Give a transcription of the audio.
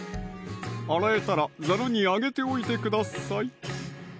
洗えたらザルにあげておいてください